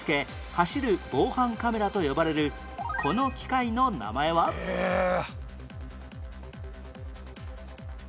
「走る防犯カメラ」と呼ばれるこの機械の名前は？ええーっ。